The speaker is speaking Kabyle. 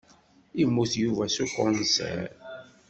Yemmut Yuba s ukunṣiṛ.